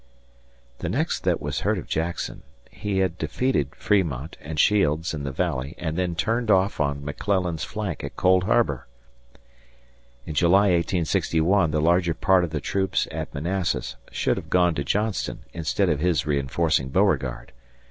The next that was heard of Jackson, he had defeated Fremont and Shields in the Valley and then turned off on McClellan's flank at Cold Harbor. In July 1861, the larger part of the troops at Manassas should have gone to Johnston, instead of his reinforcing Beauregard.